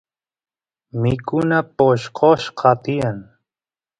mikuna poshqoshqa tiyan